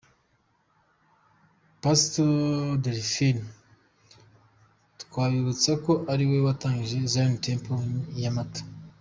Pastor Delphin twabibutsa ko ari we watangije Zion Temple Nyamata.